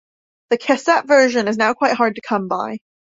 The cassette version is now quite hard to come by.